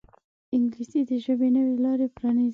انګلیسي د ژوند نوې لارې پرانیزي